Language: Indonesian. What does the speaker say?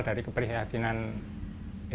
dari keprihatinan simbah